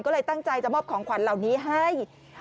ก็เลยตั้งใจจะมอบของขวัญเหล่านี้ให้